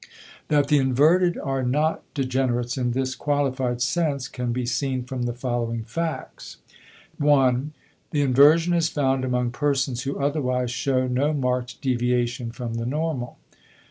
That the inverted are not degenerates in this qualified sense can be seen from the following facts: 1. The inversion is found among persons who otherwise show no marked deviation from the normal.